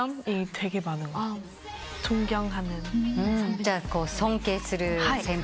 じゃあ尊敬する先輩。